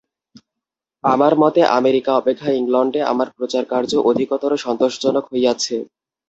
আমার মতে আমেরিকা অপেক্ষা ইংলণ্ডে আমার প্রচারকার্য অধিকতর সন্তোষজনক হইয়াছে।